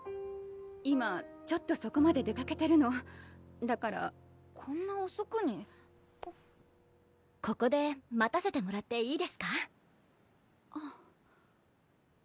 今ちょっとそこまで出かけてるのだからこんなおそくにここで待たせてもらっていいですか？